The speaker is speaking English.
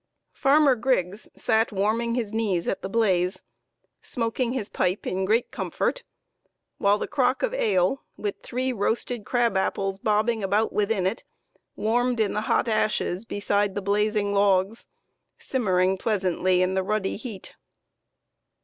Farmer Griggs sat warming his knees at the blaze, smoking his pipe in great comfort, while his crock of ale, with three roasted crab apples bobbing about within it, warmed in the hot ashes beside the blazing logs, simmering pleasantly in the ruddy heat.